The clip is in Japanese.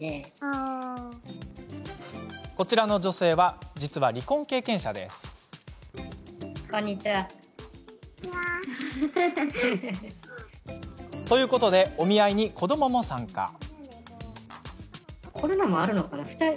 こちらの女性、実は離婚経験者。ということでお見合いに子どもも参加。